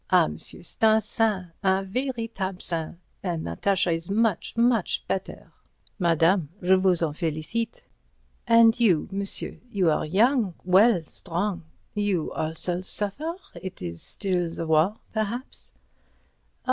Ah, monsieur, c'est un saint, un véritable saint! and Natasha is much, much better." "Madame, je vous en félicite." "And you, monsieur? You are young, well, strong—you also suffer? It is still the war, perhaps?"